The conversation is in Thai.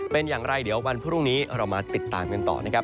เป็นอย่างไรเดี๋ยววันพรุ่งนี้เรามาติดตามกันต่อนะครับ